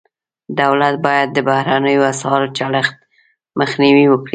دولت باید د بهرنیو اسعارو چلښت مخنیوی وکړي.